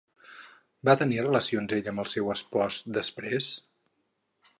Va tenir relacions ella amb el seu espòs després?